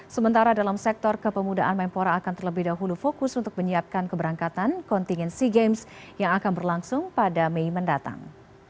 sementara dalam sektor kepemudaan menpora akan terlebih dahulu fokus untuk menyiapkan keberangkatan kontingensi games yang akan berlangsung pada mei mendatang